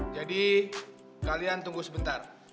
jadi kalian tunggu sebentar